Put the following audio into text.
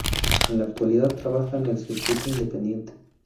En la actualidad trabaja en el Circuito independiente.